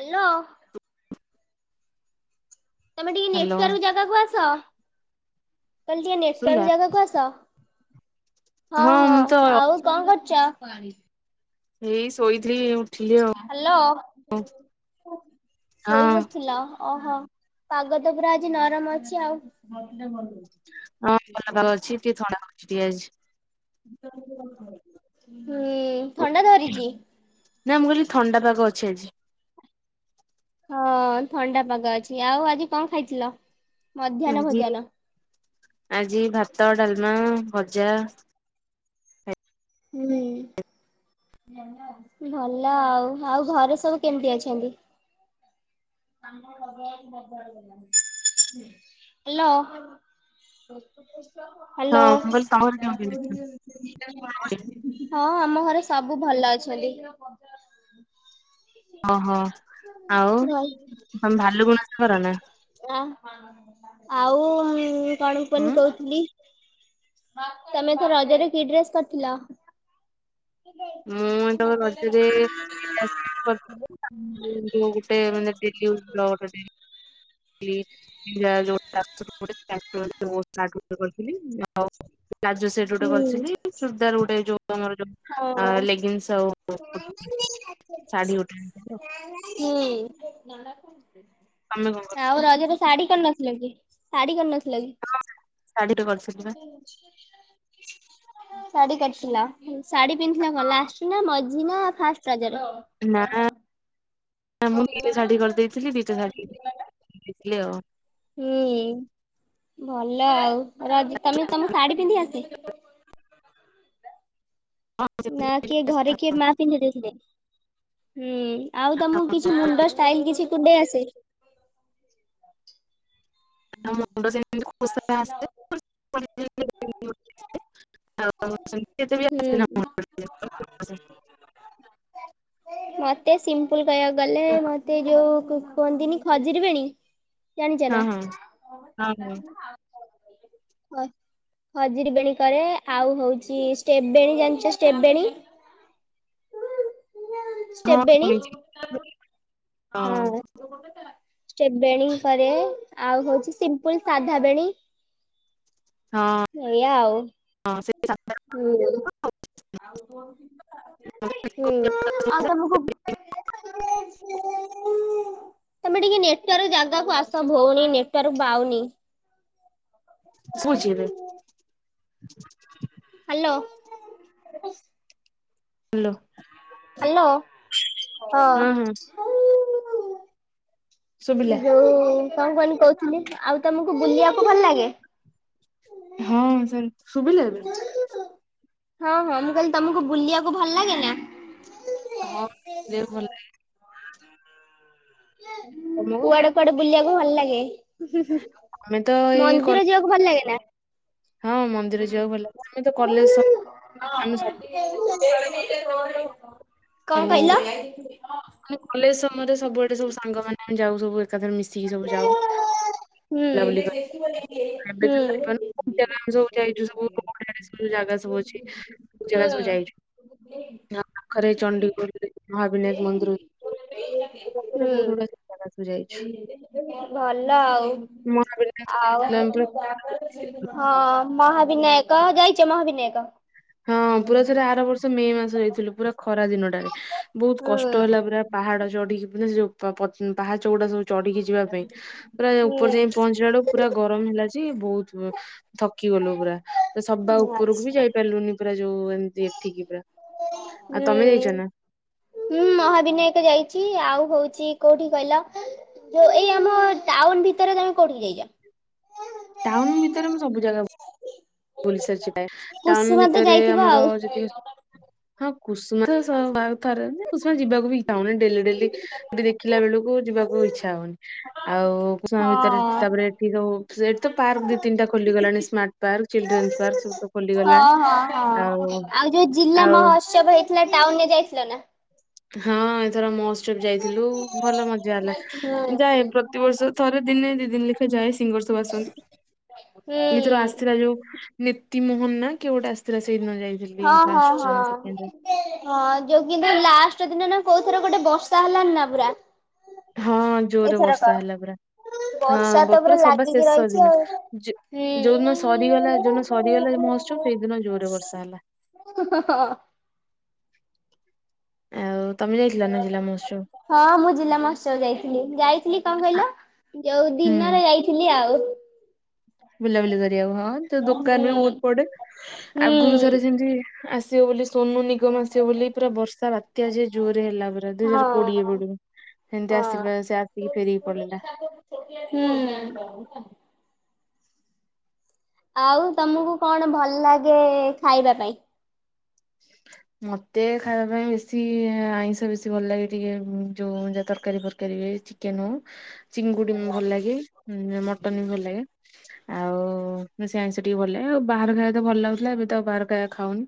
Hello. ତମେ ଟିକେ hello network ଜାଗାକୁ ଆସ। କଲ ଟିକେ ଶୁଭିଲା? ନେଟୱାର୍କ ଜାଗାକୁ ଆସ ହଁ ହଁ ମୁଁ ତ ଆଉ। କଣ କରୁଛ? ହେଇ ଶୋଇଥିଲି ଉ ହ୍ୟାଲୋ ହଁ ଶୋଇପଡ଼ିଥିଲ ଓହୋ ପାଗ ତ ପୁରା ଆଜି ନରମ ଅଛି ଆଉ। ହଁ ଭଲ ପାଗ ଅଛି ଟିକେ ଥଣ୍ଡା କରଛି ପିଆଜ ହୁଁ ଥଣ୍ଡା ଧରିଛି। ନାଁ ମୁ କଲି ଥଣ୍ଡା ପାଗ ଅଛି ଆଜି। ହଁ ଥଣ୍ଡା ପାଗ ଅଛି ଆଉ ଆଜି କଣ ଖାଇଥିଲ ମଧ୍ୟାନ ଆଜି ଭୋଜନ। ଆଜି ଭାତ ଡାଲମା ଭଜା। ହଁ। ଭଲ ଆଉ ଆଉ ଘରେ ସବୁ କେମିତି ଅଛନ୍ତି? ହ୍ୟାଲୋ। ହ୍ୟାଲୋ। ହଁ ମୁଁ କହିଲି ତମ ଘରେ କେମିତି ଅଛନ୍ତି? ହଁ ଆମ ଘରେ ସବୁ ଭଲ ଅଛନ୍ତି। ଓହୋ ଆଉ ଘରେ ତମେ ଭାଲୁକୁନି ଓଷା କର ନା? ଆ ଆଉ କଣ ହୁଁ କଣ କହୁଥିଲି [unintelligible] ତମେ ତ ରଜରେ କି ଡ୍ରେସ କରିଥିଲ? ବେ ମୁଁ ତ ମୋବାଇଲରେ ରଖ [unintelligible] ଗୋଟେଡ [unintelligible] [unintelligible] ହୁଁ। [unintelligible] ଅ ହଁ। ଲେଗିନ୍ସଉ ଆଉ ସାଢ଼ୀ ଗୋଟେ ଆଣିଥିଲି। ହୁଁ ତମେ କଣ କରିଥିଲ ଆଉ ରଜର ଶାଢୀ କଣ ଆସିଲା କି? ଶାଢୀ କରିନଥିଲ କି? ଶାଢୀରେ କରିଥିଲି ବା। ଶାଡି କରିଥିଲ? ଶାଢୀ ପିନ୍ଧିଥିଲ କଣ ଲାଷ୍ଟ ନା ମଝି ନା ଫାଷ୍ଟ ରଜରେ? ନା ନା ମୁଁ ଦିଟା ଶାଢ଼ୀ କରିଦେଇଥିଲି ଦିଟା ଶାଡି ପିନ୍ଧି ଥିଲି ଆଉ। ହୁଁ। ଭଲ ଆଉ ରଜ୍ ତମେ ତମ ଶାଢୀ ପିନ୍ଧି ଆସେ? ନା କିଏ ଘରେ ମା ପିନ୍ଧେଇଦେଇଥିଲେ? ହୁଁ। ଆଉ ତମକୁ କିଛି ମୁଣ୍ଡ ଷ୍ଟାଇଲ୍ କିଛି କୁଣ୍ଡେଇ ଆସେ? [unintelligible] ହୁଁ। [unintelligible] ମତେ ଆସିନି। ଫୁଲ୍ କହିବାକୁ ଗଲେ ମତେ ଯୋଉ କୁହନ୍ତିନି ଖଜୁରିବେଣି ଜାଣିଚ ନା? ହଁ ହଁ ହଁ ଖଜୁରି ବେଣୀ କରେ। ଆଉ ହଉଚି ଷ୍ଟେପ୍ ବେଣୀ ଜାଣିଚ ଷ୍ଟେପ୍ ବେଣୀ? ହଁ ଷ୍ଟେପ ବେଣୀ ଜାଣିଚି ହଁ। ଷ୍ଟେପ୍ ବେଣୀ କରେ ଆଉ ହଉଚି ସିମ୍ପୁଲ୍ ସାଧା ବେଣୀ। ହଁ। ଏ ଇୟା। ହଁ ସେ ହୁଁ ହୁଁ ଆଉ ତମକୁ [unintelligible] ତମେ ଟିକେ ନେଟିୱାର୍କ ଜାଗାକୁ ଆସ ଭଉଣୀ ନେଟି ୱାର୍କ ବାଉନି। ପୁଜିବେ। ହ [unintelligible] ହାଲୋ। ହାଲୋ। ହାଲୋ ହଁ। ଶୁଭିଲା ଯୋଉ କଣ କଁ କୁହନି କହୁଥିଲି ଆଉ ତମକୁ ବୁଲିଆକୁ ଭଲ ଲାଗେ? ହଁ ସେମି ଶୁଭିଲା ଏବେ? ହଁ ହଁ ମୁଁ କଇଲି ତମକୁ ବୁଲିଆକୁ ଭଲ ଲାଗେ ନା? ହଁ ବୁଲିଆକୁ ଭଲ ଲାଗେ। [unintelligible] ତମକୁ? କୁଆଡେ କୁଆଡେ ବୁଲିଆକୁ ଭଲ ଲାଗେ ଆମେ ତ ଏଇ କଲେ ମନ୍ଦିର ଯିଆକୁ ଭଲ ଲାଗେ ନା? ହଁ ମନ୍ଦିର ଯିବାକୁ ଭଲ ଲାଗେ ଆମେ ତ କଲେଜ୍ ସ ଆମେ ସବୁ [unintelligible] କଁ କଇଲ? ଆମେ କଲେଜ୍ ସମୟରେ ସବୁଆଡେ ସବୁ ସାଙ୍ଗମାନେ ଯାଉ ସବୁଆଡେ। ଏକାଥରେ ମିଶିକି ସବୁ ଯାଉ ହୁଁ ବୁଲାବୁଲି କରି। ଏବେ ତ ସାଙ୍ଗ ମାନେ ଆମେ ସବୁ ଯାଇଚୁ କୋଉ କୋଉ ଜାଗା ସବୁଅଛି। ହୁଁ ସେ ଜାଗା ସବୁ ଯାଇଚୁ। ଏହା ପାଖରେ ଚଣ୍ଡିଖୋଲ୍ ରେ ମହାବିନାୟକ ମନ୍ଦିର ଅଛି। ପାଖରେ ହୁଁ ବହୁତ ଗୁଡା ଜାଗା ସବୁ ଯାଇଛୁ ଭଲ ଆଉ। ମହାବିନାୟକ ଆଉ ଯାଇଥିଲୁ ଆମେ ହଁ ପୁରା ମହାବିନାୟକ ଯାଇଚ ମହାବିନାୟକ? ହଁ ପୁରା ଥରେ ଆର ବର୍ଷ ମେ ମାସ ଯାଇଥିଲୁ ପୁରା ଖରା ଦିନଟାରେ। ବହୁତ୍ ହୁଁ କଷ୍ଟ ହେଲା ପୁରା ପାହାଡା ଚଢିକି ମାନେ ଯୋଉ ପାହାଚ ଗୁଡା ସବୁ ଚଢିକି ଯିବା ପାଇଁ ପୁରା ଉପର ହୁଁ ଯାଇ ପହଞ୍ଚିଲା ବେଳୁ ପୁରା ଗରମ ହେଲାଯେ ବହୁତ ଥକି ଗଲୁ ପୁରା ସବା ଉପରକୁ ବି ଆଚ୍ଛା। ଯାଇ ଲୁନି ପୁରା ଯୋଉ ଏମିତି ଏଠିକି ପୁରା ଆଉ ତମେ ଯାଇଛ ନା- ମୁଁ ମହାବିନାୟକ ଯାଇଛି ଆଉ ହଉଛି କୋଉଠି କହିଲ ଯୋଉ ଏଇ ଆମ ଟାଉନ ଭିତରେ ତମେ କୋଉଠି କି ଯାଇଛ। ଟାଉନ ଭିତରେ ସବୁ ଜାଗା ବୁ ବୁଲି ସାରିଛ ପ୍ରାୟ ଟାଉନ କୁସୁମା ତ ଭିତରେ ଯାଇଥିବ ଆଉ ଆମର ଯେତିକ ସବୁ ହଁ କୁସୁମା [unintelligible] କୁସୁମା ଯିବାକୁ ବି ଇଚ୍ଛା ହଉନି ଡେଲୀ ଡେଲି। [unintelligible] ଦେଖିଲା ବେଳକୁ ଯିବାକୁ ଇଚ୍ଛା ହଉନି ଆଉ କୁସୁମା ଭିତରେ ହଁ। ତାପରେ ସେଠି ତ ପାର୍କ ଦି ତିନିଟା ଖୋଲିଗଲାଣି ସ୍ମାର୍ଟ ପାର୍କ ଚିଲଡ୍ରେନ୍ସ ପାର୍କ ସବୁ ତ ହଁ ଖୋଲିଗଲାଣି ହଁ ହଁ ଆଉ ଯୋଉ ଜିଲ୍ଲା ଆଉ ମହୋତ୍ସବ ଟାଉନ ରେ ଯାଇଥିଲ ନା। ହଁ ଏଥର ମହୋତ୍ସବ ଯାଇଥିଲୁ ଭଲ ମଜା ହେଲା। ହୁଁ। ଯାଏ ପ୍ରତିବର୍ଷ ଥରେ ଦିନେ ଦି ଦିନ ଲେଖା ଯାଏ ସିଙ୍ଗର ସବୁ ଆସନ୍ତି। ହୁଁ ଏଥର ଆସିଥିଲା ଯୋଉ ନିପ୍ତି ମୋହନ ନା କିଏ ଗୋଟେ ଆସିଥିଲା ସେଇଦିନ ଯାଇ ହଁ ହଁ ହଁ। ହଁ ଯୋଉ କିନ୍ତୁ ଲାଷ୍ଟ ଦିନ ନା କୋଉ ଥର ଗୋଟେ ବର୍ଷା ହେଲନି ନା ପୁରା ହଁ ଜୋରରେ ଏଥରକ। ବର୍ଷା ହେଲା ପୁରା ହଁ ବର୍ଷା ତ ପୁରା ସବା ଲାଗିକି ଶେଷ ରହିଛି ଦିନ ଆଉ। ହୁଁ। ଯୋଉଦିନ ସରିଗଲା ଯୋଉଦିନ ସରିଗଲା ମହୋତ୍ସବ ସେଇଦିନ ଜୋରରେ ବର୍ଷା ହେଲା। [unintelligible] ଆଉ [unintelligible] ଜିଲ୍ଲା ମହୋତ୍ସବ। ହଁ ମୁଁ ଜିଲ୍ଲା ମହୋତ୍ସବ ଯାଇଥିଲି ଯାଇଥିଲି କଣ ଆ- କହିଲ ଯୋଉ ହୁଁ ଦିନରେ ଯାଇ ଥିଲି ଆଉ। ବୁଲାବୁଲି କରିବାକୁ ହଁ ତ ଦୋକାନ ବି ବହୁତ ପଡେ ଆଗରୁ ହୁଁ ଥରେ ସେମତି ଆସିବ ବୋଲି ସୋନୁନିଗମ ଆସିବ ବୋଲି ପୁରା ବର୍ଷା ବାତ୍ୟା ଯେ ଜୋରରେ ହେଲା ପୁରା ଦୁଇ ହଁ ହଜାର କୋଡିଏ ବେଳକୁ। ହେମିତି ହଁ। ଆସିିବ ସେ ଆସିକି ଫେରିକି ପଳିଲା। ହୁଁ। ଆଉ ତମକୁ କଣ ଭଲ ଲାଗେ ଖାଇବା ପାଇଁ? [inaudible] ମତେ ଖାଇବା ପାଇଁ ବେଶୀ ଆଇଁଷ ବେଶୀ ଭଲ ଲାଗେ ଟିକେ ଯୋଉ ଯା ତରକାରୀ ଫରକାରୀ ହୁଏ ଚିକେନୁ ଚିଙ୍ଗୁଡି ଭଲ ଲାଗେ ମଟନ ଭଲ ଲାଗେ ଆଉ ଓ [unintelligible] ଟିକେ ଭଲ ଆଉ ବାହାର ଖାଇବା ତ ଭଲ ଲାଗୁଥିଲା ଏବେ ତ ବାହାର ଖାଇବା ଖାଉନି।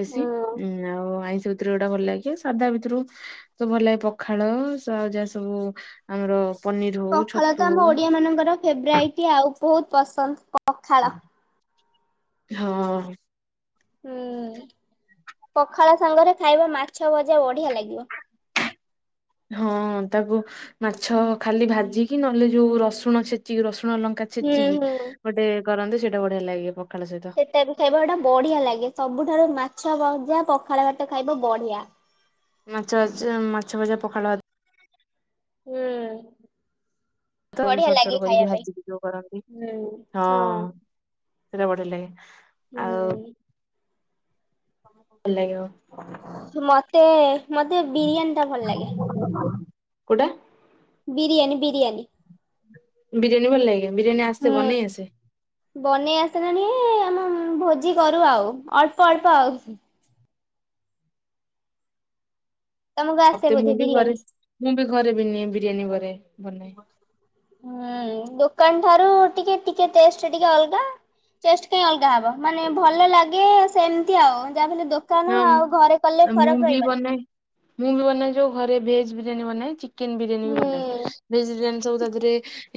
ବେଶୀ ହଁ ଆଉ ଆଇଁଷ ଭିତରୁ ଗୋଟା ଭଲ ଲାଗେେ ସାଧା ଭିତରୁ ମତେ ଭଲ ଲାଗେ ପଖାଳ [unintelligible] ଯାହା ସବୁ ଆମର ପନିର ହଉ ପଖାଳ ତ ଛତୁ ଆମ ଓଡିଆ ମାନଙ୍କର ଫେବରାଇଟି ଆଉ ବହୁତ ପସନ୍ଦ ପଖାଳ ହଁ। ହୁଁ ପଖାଳ ସାଙ୍ଗରେ ଖାଇବ ମାଛ ଭଜା ବଢିଆ ଲାଗିବ। [inaudible] ହଁ ତାକୁ ମାଛ ଖାଲି ଭାଜିକି ନହେଲେ ଯୋଉ ରସୁଣ ଛେଚିକି ରସୁଣ ଅ ଲଙ୍କା ହୁଁ ଛେଚିକି ହୁଁ। ଗୋଟେ କରନ୍ତି ସେଇଟା ବଢିଆ ଲାଗେ ପଖାଳ ସହିତ ଖାଇବା ଗୋଟା ବଢିଆ ଲାଗେ ସବୁଠାରୁ ମାଛ ଭଜା ପଖାଳ ଭାତ ଖାଇବ ବଢିଆ। ମାଛ ମାଛ ଭଜା ପଖାଳ ହୁଁ ଯୋଉ ସରୁ ସରୁ କରିକି ପାଇଁ ଭାଜିିକି ଯୋଉ କରନ୍ତି ହଁ। ସେଟା ପଡ଼ିଲେ ଲାଗେ, ଆଉ ହୁଁ, ଭଲ ଲାଗିବ, ମୋତେ-ମୋତେ ବିରିୟାନୀଟା ଭଲ ଲାଗେ, [unintelligible] କୋଟା, ବିରିୟାନୀ-ବିରିୟାନୀ, ବିରିୟାନୀ ଭଲ ଲାଗେ ବିରିୟାନୀ ଆସତେ ବନେଇ ଆସେ, ବନେଇ ଆସିଲାଣି ଆମ ଭୋଜି କରୁ ଆଉ ଅଳ୍ପ-ଅଳ୍ପ ଆଉ, ତମକୁ ଆସେ ହତେ ବୋଧେ ମୁଁ ବି ବିରିୟାନୀ? ଘରେ ମୁଁ ବି ଘରେ ବି ନିଏ ବିରିୟାନୀ ଘରେ ବନାଏ, ହୁଁ ଦୋକାନ୍ ଠାରୁ ଟିକେ-ଟିକେ ଟେଷ୍ଟ୍ ଟିକେ ଅଲଗା, ଚେଷ୍ଟ୍ କଇଁ ଅଲଗା ହବ ମାନେ ଭଲ ଲାଗେ ସେମିତି ଆଉ ଯାହା ବି ହେଲେ ଦୋ ଦୋକାନ ହଁ ଆଉ ଘରେ କଲେ ମୁଁ ଫରକ୍ ବି ରହିବନି, ବନାଏ ମୁଁ ବି ବନାଏ ଯୋଉ ଘରେ ଭେଜ ବିରିୟାନୀ ବନାଏ ଚିକେନ୍ ବିରିୟାନୀ ହୁଁ ବି ବନାଏ ଭେଜ ବିରିୟାନୀ ସବୁ ତା ଦେହରେ,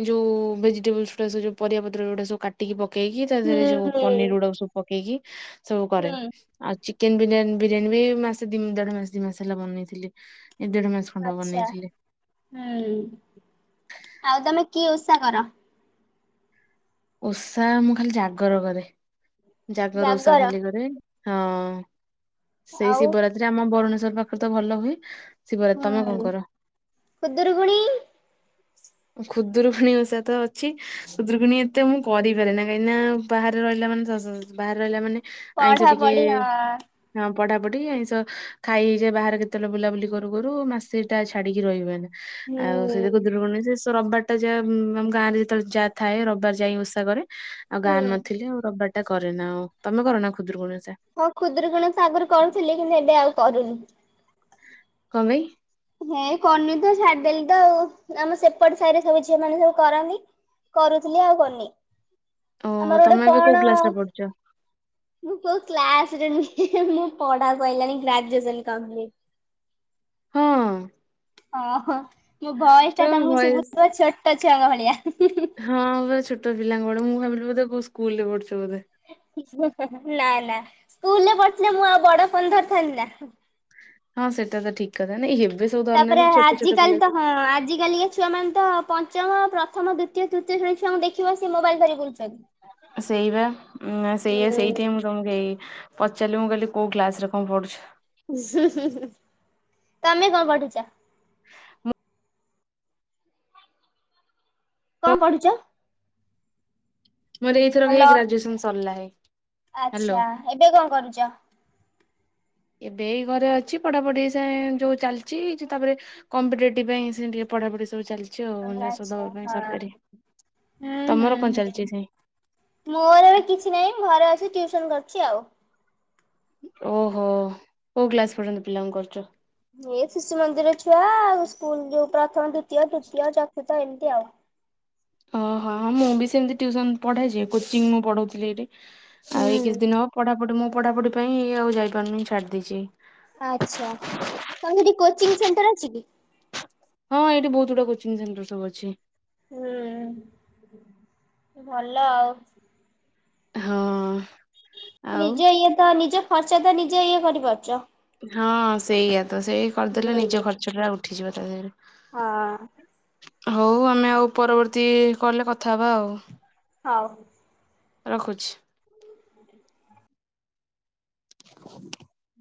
ଯଉ ଭେଜିଟେବୁଲ୍ସ୍ ଗୁଡ଼ା ସବଉ ପରିବା ପତ୍ର ଗୁଡ଼ା ସବୁ କାଟିକି ପକେଇକି ତା ହୁଁ ଦେହରେ ଯୋଉ ହୁଁ ପନିର ଗୁଡ଼ା ସବ୍ ପକେଇକି ସବୁ ହୁଁ କରେ, ଚିକେନ୍ ବିରିୟାନ୍ ବିରିୟାନୀ ବି ମାସେ ଦି ଦେଢ ମାସ ଦି ମାସ ହେଲା ବନେଇଥିଲି ଏ ଦେଢ ମାସ, ଖଣ୍ଡ ଆଚ୍ଛା ବନେଇଥିଲି ଆଉ-ଆଉ ତମେ କିଏ ଓଷା କର? ଓଷା ମୁଁ ଖାଲି ଜାଗର କରେ, ଜାଗ ର ଉଷା ଜାଗର ଖାଲି କରେ ହଁ ସେଇ ଆଉ ଶିବରାତ୍ ସେଥିରେ ଆମ ଭରୁଣେଶ୍ଵର ପାଖରେ ତ ଭଲ ହୁଏ, ଶିବରାତ୍ରି ହୁଁ ତମେ କଣ ଆଉ କର? ଖଜୁର କୋଳି, ଖୁଦରୁ ଖଣି ଓଷା ତ ଅଛି, ସୁଦ୍ରକୁଣ ଏତେ ମୁଁ କରିପାରେ ନା କାହିଁକି ନା ବାହାରେ ରହିଲା ମାନେ [unintelligible] ବାରେ ରହିଲା ମାନେ, ଆଇଁଷ ପଢା ଟିକେ, ପଢି ହଁ ହଁ ପଢ଼ା ପଢ଼ି ଏଇଷ ଖାଇ ହେଇଯାଏ ବାହାରେ କେତେବେଳେ ବୁଲାବୁଲି କରୁ-କରୁ ମାସଟା ଛାଡିକି ରହିବେନି, ଆଉ ସେଇ ଯୋଉ ହୁଁ ଦେଖୁଦରବଣି ସେସ ରବା, ତ ଯାହା ମୁଁ ଆମ ଗାଁରେ ଯେତେବେଳେ ଯାହା ଥାଏ ରବିବାର୍ ଯାଇ ଓଷା କରେ ଆଉ ହୁଁ ଗାଁ ନଥିଲେ ଆଉ ରବିବାର୍, ଟା କରେ ନା ଆଉ ତମେ କର ନା କ୍ଷୁଦ୍ର କୋଣି ଓଷା? ହଁ କ୍ଷୁଦ୍ର କୋଣି ଓଷା ଆଗର କରୁଥିଲି କିନ୍ତୁ ଏବେ ଆଉ କରୁନି, କମାଇ? ହେ କରନି ତ ଛାଡ଼ିଦେଲି ତ ଆଉ ଆମ ସେପଟ ସାହିରେ ସବୁ ଝିଅ ମାନେ ସବୁ କରନ୍ତି, କରୁଥିଲି ଆଉ କରିନି ଓହୋ ଆମର ଗୋଟେ ତମେ ଏବେ କୋଉ କଣ, କ୍ଲାସ ରେ ପଢୁଛ ମୁଁ କୋଉ କିଲାସ୍ ରେ ମୁଁ ପଢ଼ା କହିଲଣିି ଗ୍ରାଜୁଏସନ୍ କମ୍ପିଲିଟ୍, ହଁ, ଓହୋ ମୋ ଭୟସ ତ ଟା ତମକୁ ସେ ଭଏସ ବୁଝିବ ଛୋଟ ଛୁଆଙ୍କ ଭଳିଆ ହୁଁ-ହୁଁ-ହୁଁ? ହଁ ପୁରା ଛୋଟ ପିଲାଙ୍କ ପଡ଼େ ମୁଁ ଭାବିଲି ବଧେ ବହୁ ସ୍କୁଲ ରେ ପଢ଼ୁଛ ବୋଧେ, ନା-ନା ସ୍କୁଲରେ ପଢ଼ିଥିଲେ ମୁଁ ଆଉ ବଡ଼ ପନ୍ଧର ଥାଇବି ନା, ହଁ ସେଇଟା ତ ଠିକ୍ କଥା ନାଇଁ ହେବେ, ତାପରେ ଆଜ କାଲି ତ ହଁ ଆଜି କାଲିିଏ, ଛୁଆ ମାନେ ତ ପଞ୍ଚମ, ପ୍ରଥମ, ଦ୍ଵିତୀୟ, ତୃତୀୟ ଶ୍ରଣୀ ଛୁଆଙ୍କୁ ଦେଖିବ ସେ ମୋବାଇଲ ଧରି ବୁଲୁଛନ୍ତି, ସେଇବା ଉଁ ସେଇଆ ସେଇପାଇଁ ହୁଁ। ମୁଁ ତମକୁ, ଏଇ ପଚାରିଲି ମୁଁ କହିଲି କୋଉ ଗ୍ଲାସ୍ ରେ କଣ ପଢ଼ୁଛ, [unintelligible] ତମେ କଁ ପଢ଼ୁଛ? ମୁଁ- କଁ ପଢ଼ୁଛି, ମୋର ଏଇଥରକ ହେଇ ହ୍ୟାଲୋ ଗ୍ରାଜୁଏସନ ସରିଲା ହେ, ଆଚ୍ଛା ଏବେ କଣ କରୁଚ? ଏବେ ଏଇ ଘରେ ଅଛି ପଢ଼ାପଢ଼ି ସା [unintelligible] ଯୋଉ ଚାଲିଛି ଯୋଉ ତାପରେ କମ୍ପିଟେଟିଭ ପାଇଁ ସେନ୍ତି ଟିକେ ପଢ଼ା ପଢ଼ି ସବୁ ଚାଲିଛି। ଛି ଆଉ ଯୋଉ ଆଚ୍ଛା ଦବା ପାଇଁ ହଁ ସରକାରୀ ହୁଁ ହୁଁ ତମର ହୁଁ। କଣ ଚାଲିଛି ସେ? ମୋର ଏବେ କିଛି ନାହିଁ ମୁଁ ଘରେ ଅଛି ଟିଉସନ୍ କରୁଛି ଆଉ। ଓହୋ କୋଉ କ୍ଲାସ୍ ପର୍ଯ୍ୟନ୍ତ ପିଲାଙ୍କୁ କରୁଚ? ଏ ଶିଶୁ ମନ୍ଦିର ଛୁଆ ଆଉ ସ୍କୁଲ ଯୋଉ ପ୍ରଥମ ଦ୍ଵିତୀୟ ତୃତୀୟ ଚତୁର୍ଥ ଏମିତି ଆଉ। ଅହ ହଁ ମୁଁ ବି ସେମିତି ଟିଉସନ ପଢ଼ାଏ ଯେ କୋଚିଂ ମୁଁ ପଢ଼ଉଥିଲି ଏଇଠି। ଆଉ ଏଇ କିଛି ହୁଁ। ଦିନ ହବ ପଢ଼ାପଢ଼ି ମୁଁ ପଢ଼ାପଢ଼ି ପାଇଁ ଆଉ ଯାଇ ପାରୁନି ଛାଡ଼ି ଦେଇଛି। ଆଛା ତମ ସେଠି କୋଚିଂ ସେଣ୍ଟର ଅଛି କି? ହଁ ଏଇଠି ବୋହୁତ ଗୁଡ଼େ କୋଚିଂ ସେଣ୍ଟର ସବୁ ଅଛି। ହୁଁ ଭଲ ଆଉ। ହଁ। ଆଉ ନିଜ ଇଏ ତ ନିଜ ଖର୍ଚ୍ଚ ତ ନିଜେ ଇଏ କରିପାରୁଛ। ହଁ ସେଇଆ ତ ସେଇ କରିଦେଲେ ନିଜ ହୁଁ। ଖର୍ଚ୍ଚ ଟା ଉଠିଯିବ ତା ଦେହେରେ। ହଁ। ହୋଉ ଆମେ ଆଉ ପରବର୍ତ୍ତୀ କଲେ କଥା ହେବା ଆଉ। ହଉ। ରଖୁଛି। [inaudible]